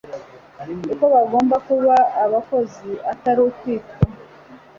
uko bagomba kuba abakozi atari ukwitwa